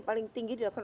paling tinggi dilakukan